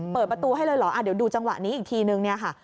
เปิดประตูให้เลยเหรอเดี๋ยวดูจังหวะนี้อีกทีนึงเนี่ยค่ะ